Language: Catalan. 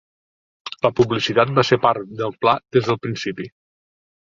La publicitat va ser part del pla des del principi.